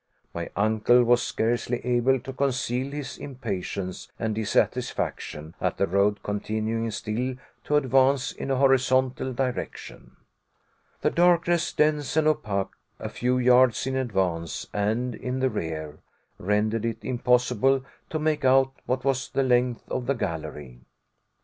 My uncle was scarcely able to conceal his impatience and dissatisfaction at the road continuing still to advance in a horizontal direction. The darkness, dense and opaque a few yards in advance and in the rear, rendered it impossible to make out what was the length of the gallery.